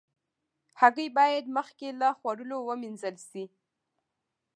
هګۍ باید مخکې له خوړلو وینځل شي.